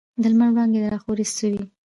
د لمر وړانګي راخورې سوې.